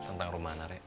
tentang rumana rek